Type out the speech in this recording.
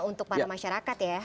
untuk para masyarakat ya